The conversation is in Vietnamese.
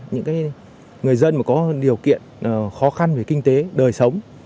những người dân có điều kiện khó khăn về kinh tế đời sống